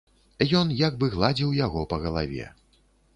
Ён як бы гладзіў яго па галаве.